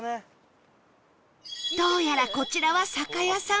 どうやらこちらは酒屋さん